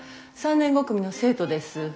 ３年５組の生徒です。